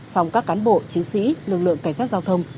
song các cán bộ chiến sĩ lực lượng cảnh sát giao thông